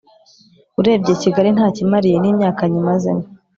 Urebye kigali ntacyo imariye nimyaka nyimazemo